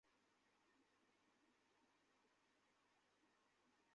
Vicco, hey Mary.